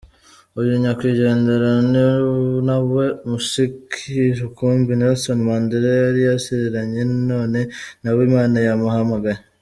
Uyu nyakwigendera ni nawe mushiki rukumbi Nelson Mandela yari asigaranye none nawe Imana yamuhamagaye.